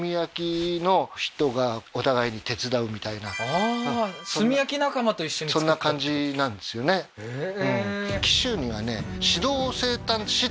ああー炭焼き仲間と一緒にそんな感じなんですよねええー